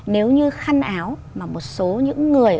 nếu như khăn áo mà một số những người